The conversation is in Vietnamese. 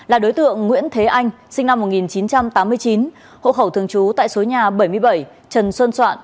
là đối tượng nguyễn thế anh sinh năm một nghìn chín trăm tám mươi chín hộ khẩu thường trú tại số nhà bảy mươi bảy trần xuân soạn